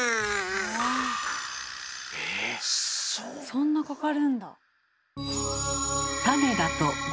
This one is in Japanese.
そんなかかるんだ。